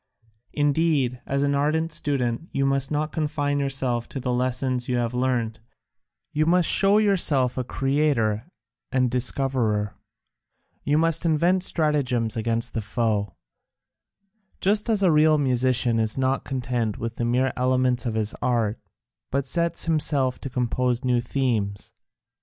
Indeed, as an ardent student, you must not confine yourself to the lessons you have learnt; you must show yourself a creator and discoverer, you must invent stratagems against the foe; just as a real musician is not content with the mere elements of his art, but sets himself to compose new themes.